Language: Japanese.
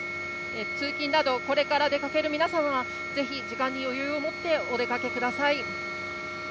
通勤など、これから出かける皆さんは、ぜひ時間に余裕をもってお出かけください。